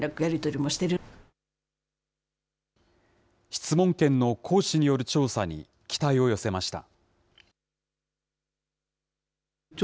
質問権の行使による調査に期待を寄せました。